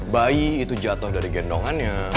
bayi itu jatuh dari gendongannya